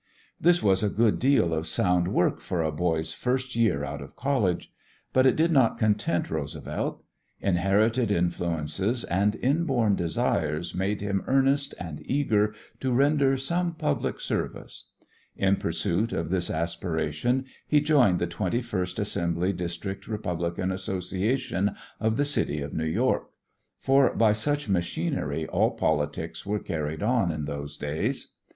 This was a good deal of sound work for a boy's first year out of college. But it did not content Roosevelt. Inherited influences and inborn desires made him earnest and eager to render some public service. In pursuit of this aspiration he joined the Twenty first Assembly District Republican Association of the city of New York, for by such machinery all politics were carried on in those days.